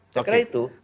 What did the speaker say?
saya kira itu